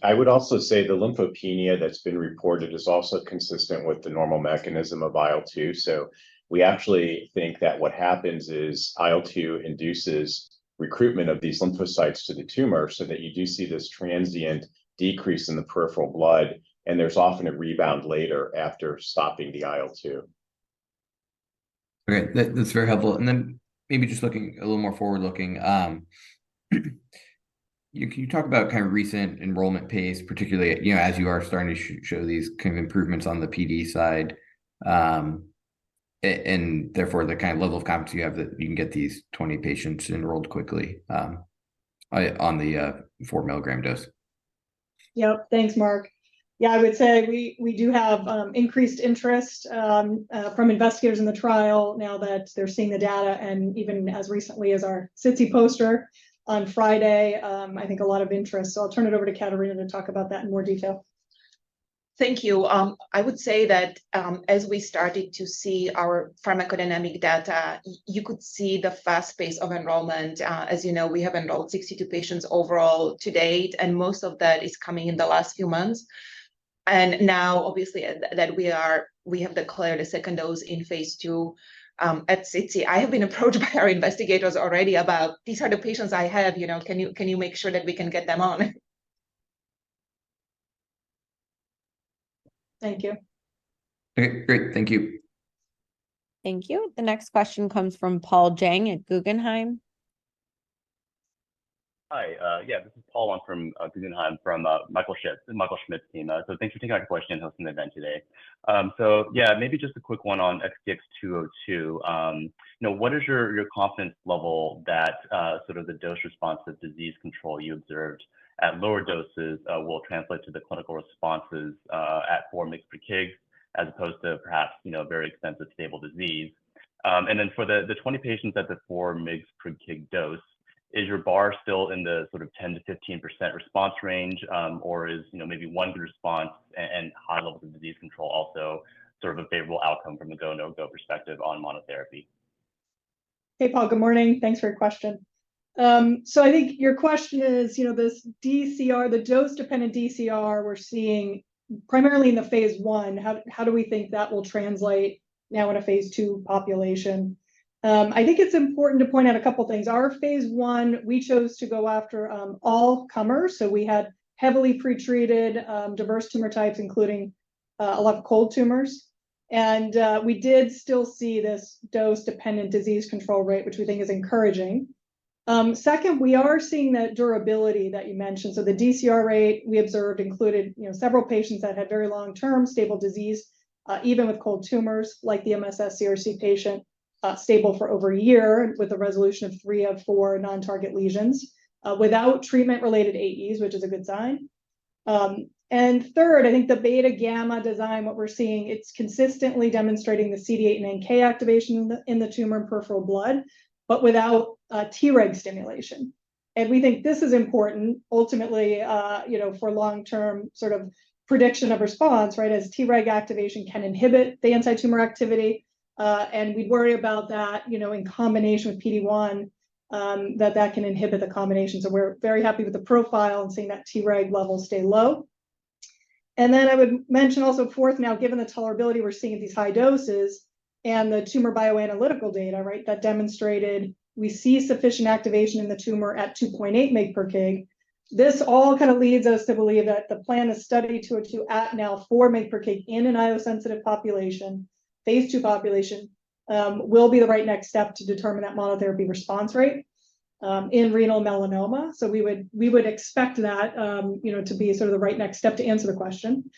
I would also say the lymphopenia that's been reported is also consistent with the normal mechanism of IL-2. So we actually think that what happens is IL-2 induces recruitment of these lymphocytes to the tumor, so that you do see this transient decrease in the peripheral blood, and there's often a rebound later after stopping the IL-2. Great, that, that's very helpful. Then maybe just looking a little more forward-looking, can you talk about kind of recent enrollment pace, particularly, you know, as you are starting to show these kind of improvements on the PD side? And therefore, the kind of level of confidence you have that you can get these 20 patients enrolled quickly, on the 4 mg dose. Yep. Thanks, Mark. Yeah, I would say we do have increased interest from investigators in the trial now that they're seeing the data, and even as recently as our SITC poster on Friday, I think a lot of interest. So I'll turn it over to Katarina to talk about that in more detail. Thank you. I would say that, as we started to see our pharmacodynamic data, you could see the fast pace of enrollment. As you know, we have enrolled 62 patients overall to date, and most of that is coming in the last few months. And now, obviously, that we have declared a second dose in phase II at SITC. I have been approached by our investigators already about, "These are the patients I have, you know, can you, can you make sure that we can get them on? Thank you. Okay, great. Thank you. Thank you. The next question comes from Paul Jeng at Guggenheim.... Hi, yeah, this is Paul Jeng from Guggenheim, from Michael Schmidt's team. So thanks for taking our question and hosting the event today. So yeah, maybe just a quick one on XTX202. You know, what is your confidence level that sort of the dose response to disease control you observed at lower doses will translate to the clinical responses at 4 mg/kg, as opposed to perhaps, you know, very extensive stable disease? And then for the 20 patients at the 4 mg/kg dose, is your bar still in the sort of 10%-15% response range, or is, you know, maybe one good response and high levels of disease control also sort of a favorable outcome from a go/no-go perspective on monotherapy? Hey, Paul, good morning. Thanks for your question. So I think your question is, you know, this DCR, the dose-dependent DCR we're seeing primarily in the phase I, how do we think that will translate now in a phase II population? I think it's important to point out a couple things. Our phase I, we chose to go after all comers, so we had heavily pretreated diverse tumor types, including a lot of cold tumors. We did still see this dose-dependent disease control rate, which we think is encouraging. Second, we are seeing the durability that you mentioned. So the DCR rate we observed included, you know, several patients that had very long-term stable disease, even with cold tumors, like the MSS CRC patient, stable for over a year with a resolution of three of four non-target lesions, without treatment-related AEs, which is a good sign. And third, I think the beta gamma design, what we're seeing, it's consistently demonstrating the CD8 and NK activation in the tumor peripheral blood, but without Treg stimulation. And we think this is important ultimately, you know, for long-term sort of prediction of response, right? As Treg activation can inhibit the antitumor activity, and we'd worry about that, you know, in combination with PD-1, that can inhibit the combination. So we're very happy with the profile and seeing that Treg levels stay low. I would mention also, for now, given the tolerability we're seeing at these high doses and the tumor bioanalytical data, right, that demonstrated we see sufficient activation in the tumor at 2.8 mg/kg. This all kind of leads us to believe that the plan is Study 202 at 4 mg/kg in an IO-sensitive population. phase II population will be the right next step to determine that monotherapy response rate in renal, melanoma. So we would, we would expect that, you know, to be sort of the right next step to answer the question.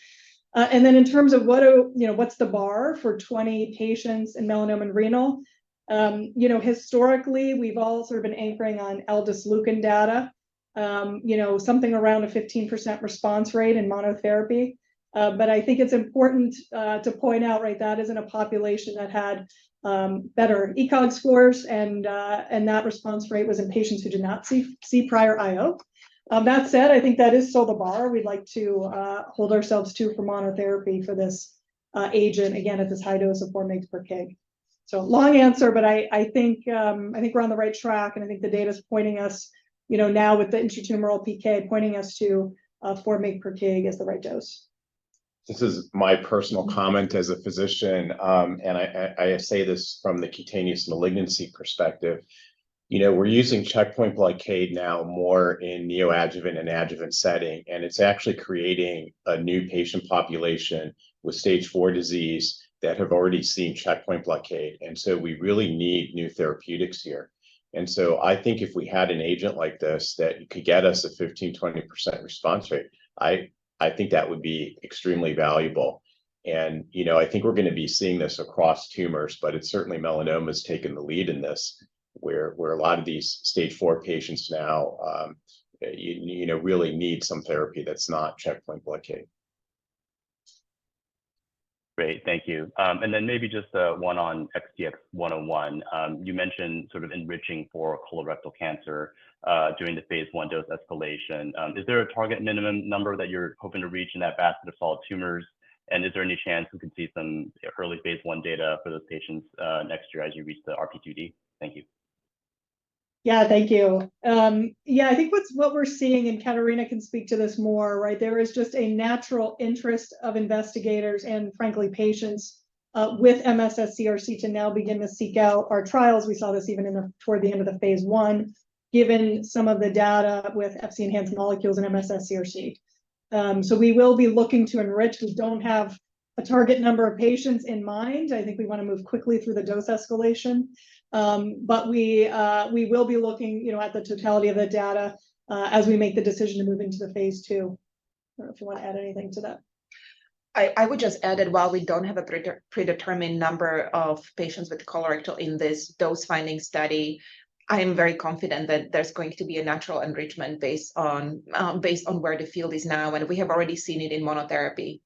And then in terms of what, you know, what's the bar for 20 patients in melanoma and renal? You know, historically, we've all sort of been anchoring on aldesleukin data. You know, something around a 15% response rate in monotherapy. But I think it's important to point out, right? That isn't a population that had better ECOG scores, and that response rate was in patients who did not see prior IO. That said, I think that is still the bar we'd like to hold ourselves to for monotherapy for this agent, again, at this high dose of 4 mg/kg. So long answer, but I think we're on the right track, and I think the data's pointing us, you know, now with the intratumoral PK pointing us to 4 mg/kg as the right dose. This is my personal comment as a physician, and I say this from the cutaneous malignancy perspective. You know, we're using checkpoint blockade now more in neoadjuvant and adjuvant setting, and it's actually creating a new patient population with Stage IV disease that have already seen checkpoint blockade. And so we really need new therapeutics here. And so I think if we had an agent like this that could get us a 15%-20% response rate, I think that would be extremely valuable. And, you know, I think we're gonna be seeing this across tumors, but it's certainly melanoma's taken the lead in this, where a lot of these Stage IV patients now, you know, really need some therapy that's not checkpoint blockade. Great. Thank you. And then maybe just, one on XTX101. You mentioned sort of enriching for colorectal cancer during the phase I dose escalation. Is there a target minimum number that you're hoping to reach in that basket of solid tumors? And is there any chance we can see some early phase I data for those patients, next year as you reach the RP2D? Thank you. Yeah. Thank you. Yeah, I think what's what we're seeing, and Katarina can speak to this more, right? There is just a natural interest of investigators and, frankly, patients MSS CRC to now begin to seek out our trials. We saw this even toward the end of the phase I, given some of the data with Fc-enhanced molecules MSS CRC. so we will be looking to enrich. We don't have a target number of patients in mind. I think we wanna move quickly through the dose escalation. But we will be looking, you know, at the totality of the data as we make the decision to move into the phase II. I don't know if you wanna add anything to that. I would just add that while we don't have a predetermined number of patients with colorectal in this dose-finding study, I am very confident that there's going to be a natural enrichment based on where the field is now, and we have already seen it in monotherapy.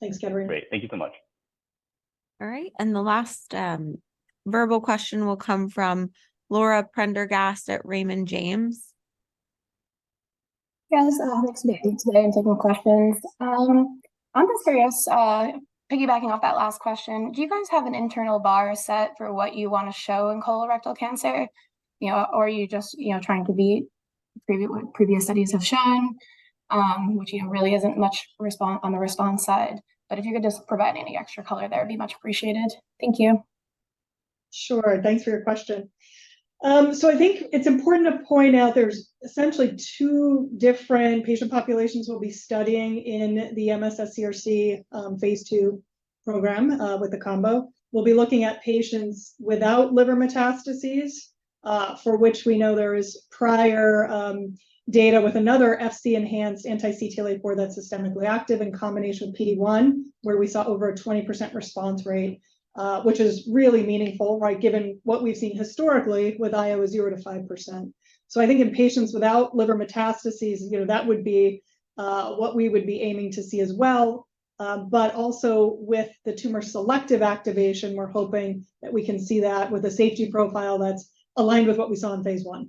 Thanks, Katarina. Great. Thank you so much. All right, and the last verbal question will come from Laura Prendergast at Raymond James. Yes, thanks for taking today and taking my questions. I'm just curious, piggybacking off that last question, do you guys have an internal bar set for what you wanna show in colorectal cancer? You know, or are you just, you know, trying to beat previous, what previous studies have shown? Which, you know, really isn't much response on the response side. But if you could just provide any extra color, that would be much appreciated. Thank you. Sure. Thanks for your question. So I think it's important to point out there's essentially two different patient populations we'll be studying in MSS CRC, phase II program, with the combo. We'll be looking at patients without liver metastases, for which we know there is prior, data with another Fc-enhanced anti-CTLA-4 that's systemically active in combination with PD-1, where we saw over a 20% response rate, which is really meaningful, right? Given what we've seen historically with IO is 0%-5%. So I think in patients without liver metastases, you know, that would be, what we would be aiming to see as well. But also with the tumor selective activation, we're hoping that we can see that with a safety profile that's aligned with what we saw in phase I.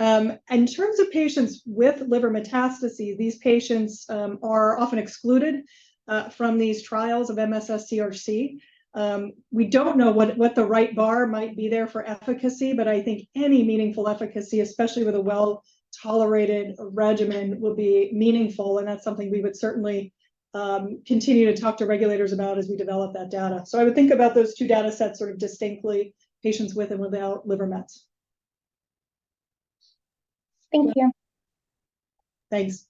In terms of patients with liver metastases, these patients are often excluded from these trials MSS CRC. we don't know what the right bar might be there for efficacy, but I think any meaningful efficacy, especially with a well-tolerated regimen, will be meaningful, and that's something we would certainly continue to talk to regulators about as we develop that data. So I would think about those two data sets sort of distinctly, patients with and without liver mets. Thank you. Thanks.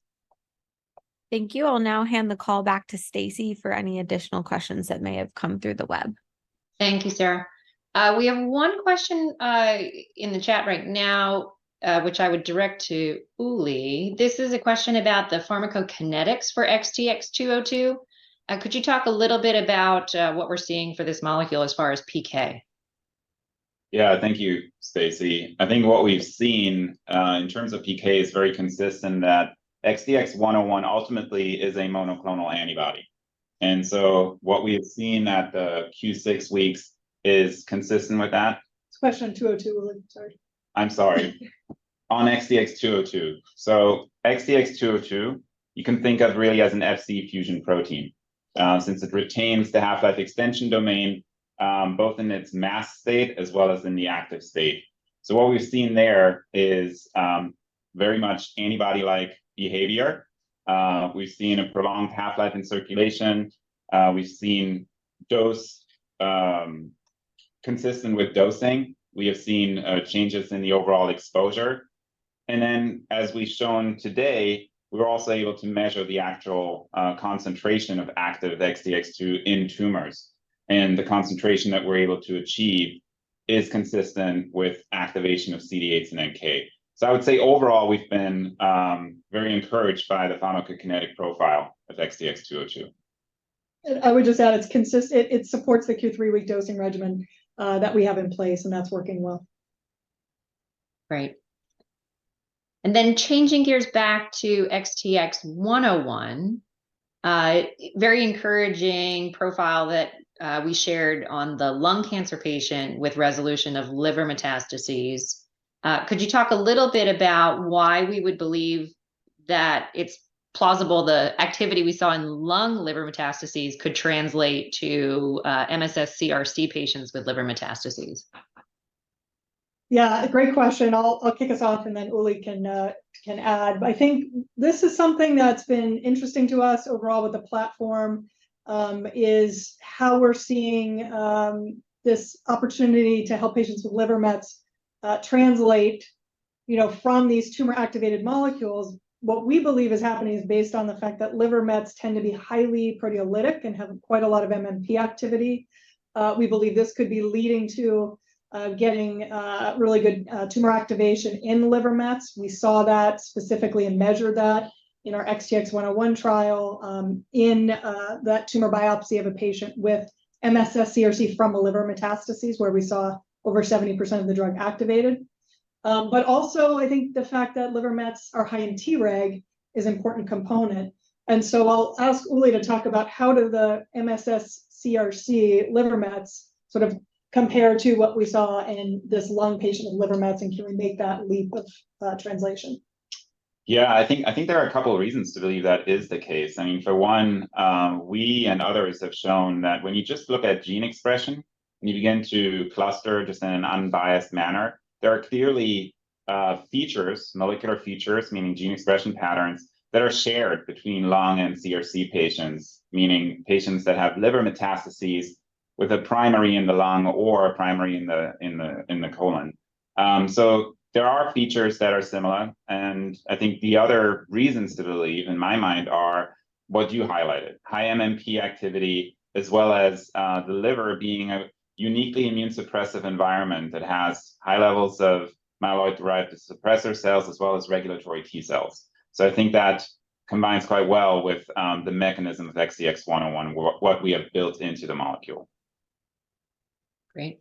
Thank you. I'll now hand the call back to Stacey for any additional questions that may have come through the web. Thank you, Sarah. We have one question in the chat right now, which I would direct to Uli. This is a question about the pharmacokinetics for XTX202. Could you talk a little bit about what we're seeing for this molecule as far as PK? Yeah. Thank you, Stacey. I think what we've seen in terms of PK is very consistent, that XTX101 ultimately is a monoclonal antibody. And so what we have seen at the Q six weeks is consistent with that. It's question 202, Uli. Sorry. I'm sorry. On XTX202. So XTX202, you can think of really as an Fc fusion protein, since it retains the half-life extension domain, both in its masked state as well as in the active state. So what we've seen there is, very much antibody-like behavior. We've seen a prolonged half-life in circulation. We've seen dose consistent with dosing. We have seen changes in the overall exposure. And then, as we've shown today, we're also able to measure the actual concentration of active XTX2 in tumors, and the concentration that we're able to achieve is consistent with activation of CD8 and NK. So I would say overall, we've been very encouraged by the pharmacokinetic profile of XTX202. I would just add, it's consistent, it supports the Q three-week dosing regimen that we have in place, and that's working well. Great. And then changing gears back to XTX101. Very encouraging profile that we shared on the lung cancer patient with resolution of liver metastases. Could you talk a little bit about why we would believe that it's plausible the activity we saw in lung liver metastases could translate MSS CRC patients with liver metastases? Yeah, great question. I'll kick us off, and then Uli can add. I think this is something that's been interesting to us overall with the platform, is how we're seeing this opportunity to help patients with liver mets translate, you know, from these tumor-activated molecules. What we believe is happening is based on the fact that liver mets tend to be highly proteolytic and have quite a lot of MMP activity. We believe this could be leading to getting really good tumor activation in liver mets. We saw that specifically and measured that in our XTX101 trial, in that tumor biopsy of a patient MSS CRC from a liver metastases, where we saw over 70% of the drug activated. But also I think the fact that liver mets are high in Treg is important component. I'll ask Uli to talk about how MSS CRC liver mets sort of compare to what we saw in this lung patient with liver mets, and can we make that leap of translation? Yeah, I think, I think there are a couple of reasons to believe that is the case. I mean, for one, we and others have shown that when you just look at gene expression and you begin to cluster just in an unbiased manner, there are clearly, features, molecular features, meaning gene expression patterns, that are shared between lung and CRC patients, meaning patients that have liver metastases with a primary in the lung or a primary in the colon. So there are features that are similar, and I think the other reasons to believe, in my mind, are what you highlighted: high MMP activity, as well as, the liver being a uniquely immune-suppressive environment that has high levels of myeloid-derived suppressor cells, as well as regulatory T cells. I think that combines quite well with the mechanism of XTX101, what we have built into the molecule. Great.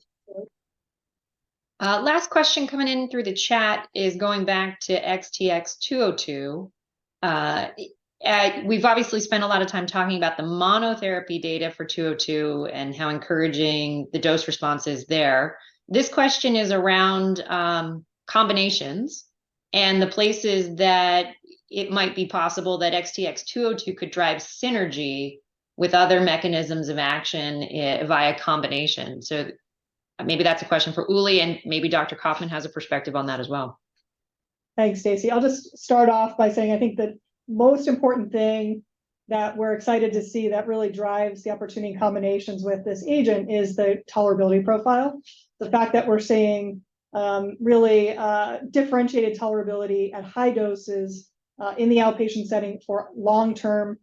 Last question coming in through the chat is going back to XTX202. We've obviously spent a lot of time talking about the monotherapy data for 202 and how encouraging the dose response is there. This question is around combinations and the places that it might be possible that XTX202 could drive synergy with other mechanisms of action via combination. So maybe that's a question for Uli, and maybe Dr. Kaufman has a perspective on that as well.... Thanks, Stacey. I'll just start off by saying I think the most important thing that we're excited to see that really drives the opportunity in combinations with this agent is the tolerability profile. The fact that we're seeing really differentiated tolerability at high doses in the outpatient setting for long-term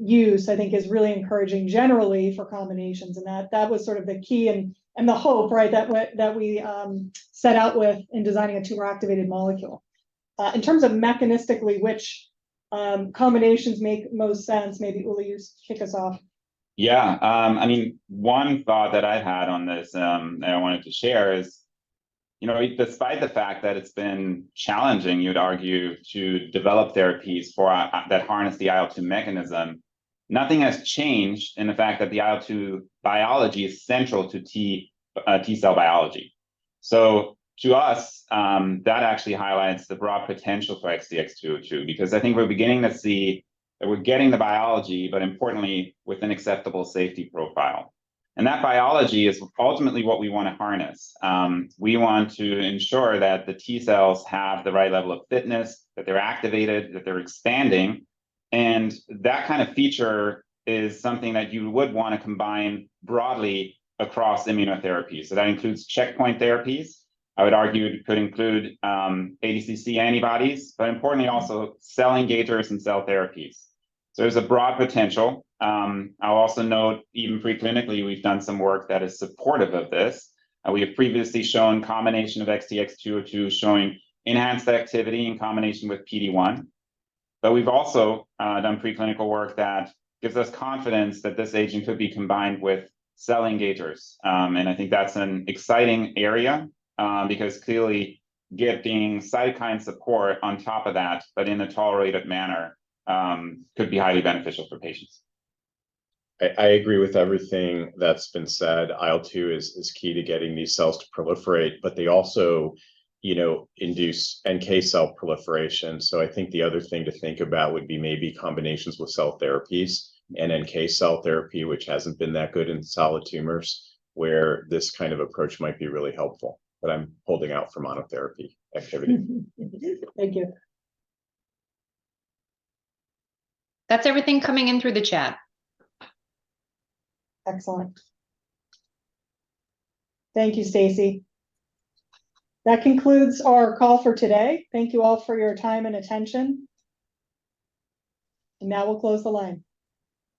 use, I think is really encouraging generally for combinations. And that was sort of the key and the hope, right? That we set out with in designing a tumor-activated molecule. In terms of mechanistically, which combinations make most sense, maybe Uli, you kick us off. Yeah. I mean, one thought that I had on this, and I wanted to share is, you know, despite the fact that it's been challenging, you'd argue, to develop therapies for that harness the IL-2 mechanism, nothing has changed in the fact that the IL-2 biology is central to T, T cell biology. So to us, that actually highlights the broad potential for XTX202, because I think we're beginning to see that we're getting the biology, but importantly, with an acceptable safety profile. And that biology is ultimately what we wanna harness. We want to ensure that the T cells have the right level of fitness, that they're activated, that they're expanding, and that kind of feature is something that you would wanna combine broadly across immunotherapies. So that includes checkpoint therapies. I would argue it could include ADCC antibodies, but importantly, also cell engagers and cell therapies. So there's a broad potential. I'll also note, even preclinically, we've done some work that is supportive of this. And we have previously shown combination of XTX202, showing enhanced activity in combination with PD-1. But we've also done preclinical work that gives us confidence that this agent could be combined with cell engagers. And I think that's an exciting area, because clearly getting cytokine support on top of that, but in a tolerated manner, could be highly beneficial for patients. I agree with everything that's been said. IL-2 is key to getting these cells to proliferate, but they also, you know, induce NK cell proliferation. So I think the other thing to think about would be maybe combinations with cell therapies and NK cell therapy, which hasn't been that good in solid tumors, where this kind of approach might be really helpful. But I'm holding out for monotherapy activity. Thank you. That's everything coming in through the chat. Excellent. Thank you, Stacey. That concludes our call for today. Thank you all for your time and attention. And now we'll close the line.